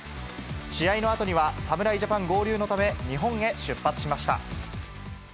試合のあとには、侍ジャパン合流のため、日本へ出発しました。